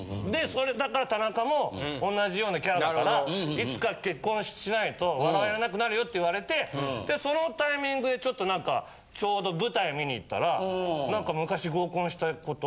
だから田中も同じようなキャラだからいつか結婚しないと笑われなくなるよって言われてそのタイミングでちょっと何かちょうど舞台を観に行ったら。